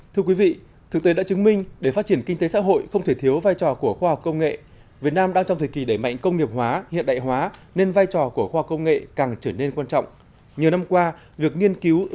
thưa quý vị thực tế đã chứng minh để phát triển kinh tế xã hội không thể thiếu vai trò của khoa học công nghệ